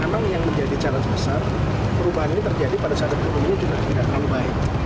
karena yang menjadi challenge besar perubahan ini terjadi pada saat ketemu juga tidak terlalu baik